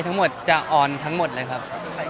ทั้งหมดจะออนทั้งหมดเลยครับ